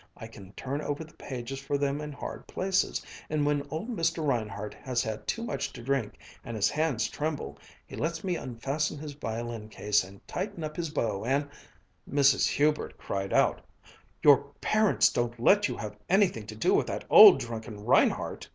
I can turn over the pages for them in hard places, and when old Mr. Reinhardt has had too much to drink and his hands tremble, he lets me unfasten his violin case and tighten up his bow and " Mrs. Hubert cried out, "Your parents don't let you have anything to do with that old, drunken Reinhardt!"